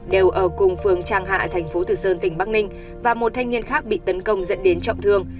đều ở cùng phường trang hạ thành phố từ sơn tỉnh bắc ninh và một thanh niên khác bị tấn công dẫn đến trọng thương